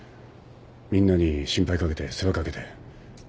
みんなに心配かけて世話かけて。